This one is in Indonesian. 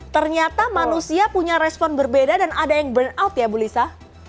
ternyata manusia punya respon berbeda dan ada yang burnout ya bu lisa